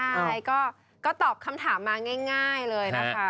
ใช่ก็ตอบคำถามมาง่ายเลยนะคะ